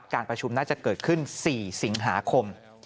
การประชุมน่าจะเกิดขึ้น๔สิงหาคม